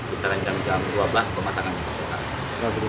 misalnya jam dua belas pemasangan ini